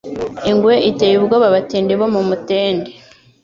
Ingwe iteye ubwoba abatindi bo mu Mutende